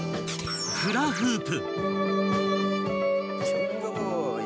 フラフープ。